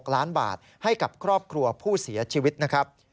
ล้านบาทให้กับครอบครัวผู้เสียชีวิตนะครับ